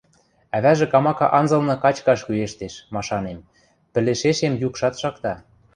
Ӓвӓжӹ камака анзылны качкаш кӱэштеш, машанем, пӹлӹшешем юкшат шакта.